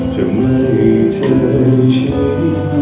จะไม่เจอฉัน